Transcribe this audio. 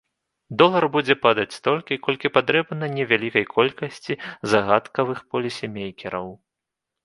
Долар будзе падаць столькі, колькі патрэбна невялікай колькасці загадкавых полісімэйкераў.